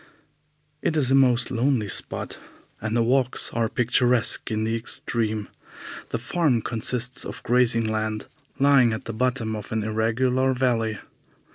It is a most lonely spot, and the walks are picturesque in the extreme. The farm consists of grazing land lying at the bottom of an irregular valley.